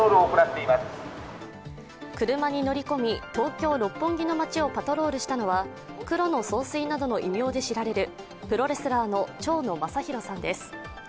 車に乗り込み、東京・六本木の街をパトロールしたのは、黒の総帥などの異名で知られるプロレスラーの蝶野正洋さんです。